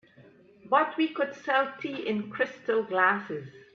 But we could sell tea in crystal glasses.